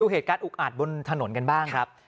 เหตุการณ์อุกอาจบนถนนกันบ้างครับ